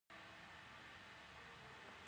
د معدې د باد لپاره د څه شي عرق وڅښم؟